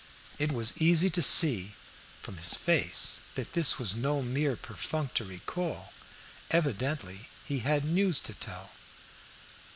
It was easy to see from his face that this was no mere perfunctory call. Evidently he had news to tell.